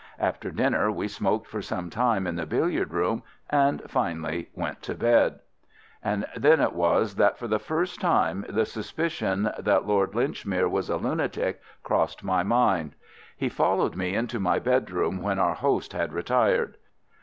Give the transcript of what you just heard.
After dinner we smoked for some time in the billiard room, and finally went early to bed. And then it was that, for the first time, the suspicion that Lord Linchmere was a lunatic crossed my mind. He followed me into my bedroom, when our host had retired.